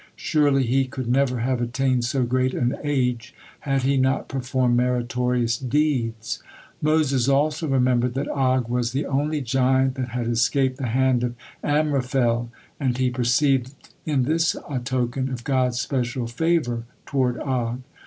Surely he could never have attained so great an age, had he not performed meritorious deeds." Moses also remembered that Og was the only giant that had escaped the hand of Amraphel, and he perceived in this a token of God's special favor toward Og.